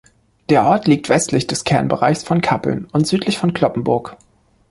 Der Ort liegt westlich des Kernbereichs von Cappeln und südlich von Cloppenburg.